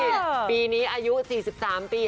ปีนี้อายุ๔๓ปี